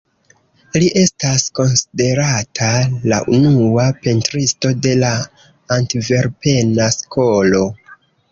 Li estas konsiderata la unua pentristo de la Antverpena Skolo.